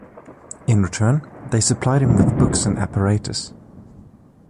In return, they supplied him with books and apparatus.